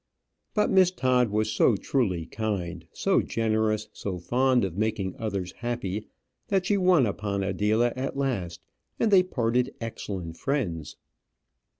But Miss Todd was so truly kind, so generous, so fond of making others happy, that she won upon Adela at last, and they parted excellent friends.